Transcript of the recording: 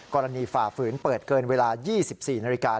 ฝ่าฝืนเปิดเกินเวลา๒๔นาฬิกา